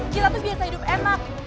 cilap itu biasa hidup enak